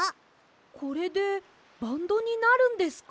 これでバンドになるんですか？